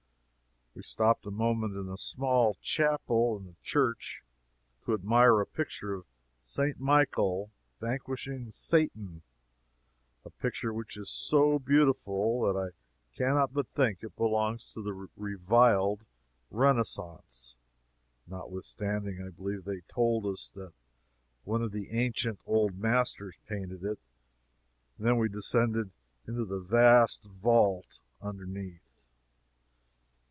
We stopped a moment in a small chapel in the church to admire a picture of St. Michael vanquishing Satan a picture which is so beautiful that I can not but think it belongs to the reviled "Renaissance," notwithstanding I believe they told us one of the ancient old masters painted it and then we descended into the vast vault underneath.